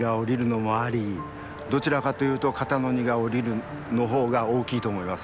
どちらかというと肩の荷が下りるの方が大きいと思います。